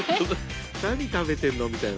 「何食べてんの？」みたいな。